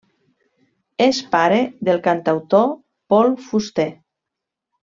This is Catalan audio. És pare del cantautor Paul Fuster.